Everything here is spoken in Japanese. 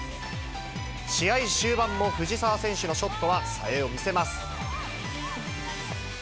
試合終盤も藤澤選手のショットは、さえを見せます。